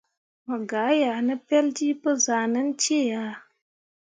Mo gah yeah ne peljii pə zahʼnan cee ahe.